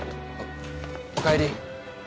お帰り。